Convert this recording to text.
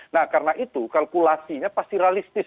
nah karena itu kalkulasinya pasti realistis